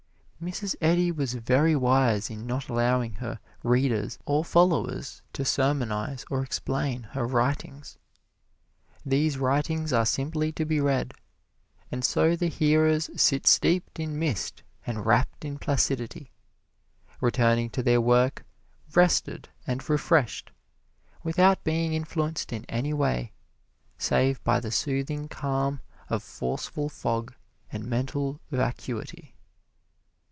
Mrs. Eddy was very wise in not allowing her "readers" or followers to sermonize or explain her writings. These writings are simply to be read. And so the hearers sit steeped in mist and wrapped in placidity, returning to their work rested and refreshed, without being influenced in any way, save by the soothing calm of forceful fog and mental vacuity.